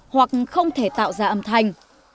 hoặc không thể tạo ra âm thanh